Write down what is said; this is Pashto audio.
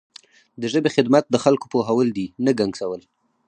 د ژبې خدمت د خلکو پوهول دي نه ګنګسول.